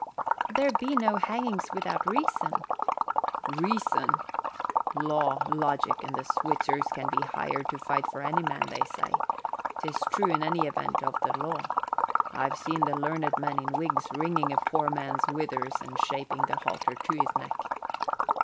"There be no hangings without reason." "Reason? Law, logic, and the Switzers can be hired to fight for any man, they say. 'Tis true, in any event, of the law. I've seen the learned men in wigs wringing a poor man's withers and shaping the halter to his neck."